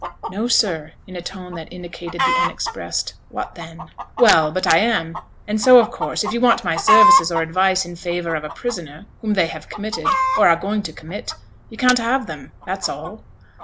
'No, sir,' in a tone that indicated the unexpressed 'What then?' 'Well, but I am. And so of course, if you want my services or advice in favour of a prisoner whom they have committed, or are going to commit, you can't have them, that's all.'